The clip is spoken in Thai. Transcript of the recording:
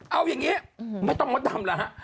เอ้ายังงี้ไม่ต้องมองต่ำล่ะครัก